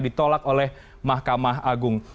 ditolak oleh mahkamah agung